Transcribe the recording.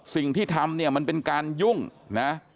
สิ่งที่ทำเนี่ยมันเป็นการยุ่งนะ